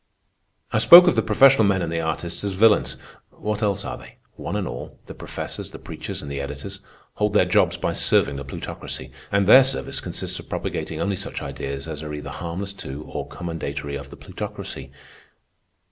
"I spoke of the professional men and the artists as villeins. What else are they? One and all, the professors, the preachers, and the editors, hold their jobs by serving the Plutocracy, and their service consists of propagating only such ideas as are either harmless to or commendatory of the Plutocracy.